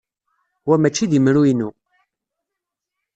Wa maci d imru-inu.